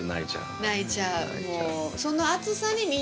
泣いちゃうもう。